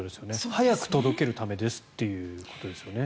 早く届けるためですっていうことですよね。